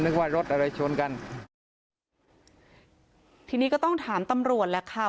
ว่ารถอะไรชนกันทีนี้ก็ต้องถามตำรวจแหละค่ะ